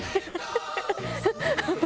ハハハハ！